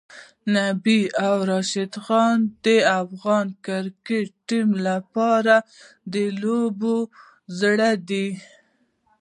نبی او راشدخان د افغان کرکټ ټیم لپاره د لوبو زړه دی.